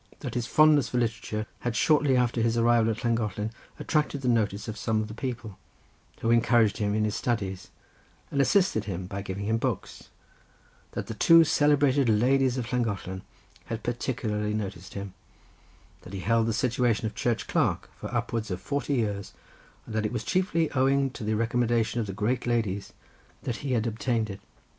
That his fondness for literature had shortly after his arrival at Llangollen attracted the notice of some of the people, who encouraged him in his studies, and assisted him by giving him books; that the two celebrated ladies of Llangollen had particularly noticed him; that he held the situation of church clerk for upwards of forty years, and that it was chiefly owing to the recommendation of the "great ladies" that he had obtained it.